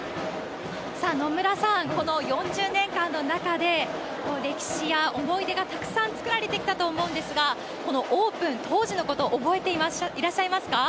さあ、野村さん、この４０年間の中で、歴史や思い出がたくさん作られてきたと思うんですが、オープン当時のこと、覚えていらっしゃいますか？